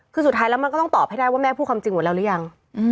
คือสุดท้ายแล้วมันก็ต้องตอบให้ได้ว่าแม่พูดความจริงหมดแล้วหรือยัง